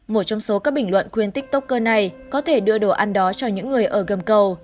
một trong số các bình luận khuyên tiktoker này có thể đưa đồ ăn đó cho những người ở gầm cầu